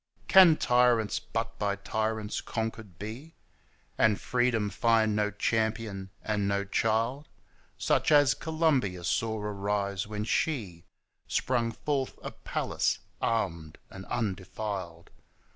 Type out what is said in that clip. XCVI. Can tyrants but by tyrants conquered be, And Freedom find no champion and no child Such as Columbia saw arise when she Sprung forth a Pallas, armed and undefiled?